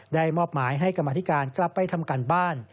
มอบหมายให้กรรมธิการกลับไปทำการบ้าน